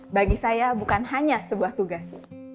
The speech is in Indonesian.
bagi saya bukan hanya sebuah tugas